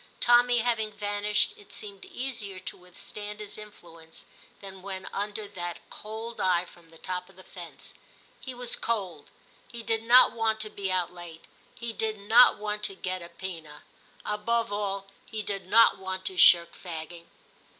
Tommy having vanished, it seemed easier to withstand his influence than when under that cold eye from the top of the fence. He was VI TIM 131 cold ; he did not want to be out late ; he did not want to get a poena ; above all, he did not want to shirk fagging.